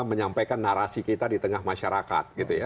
menyampaikan narasi kita di tengah masyarakat